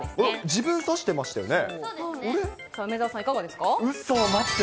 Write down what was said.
自分指してましたよね。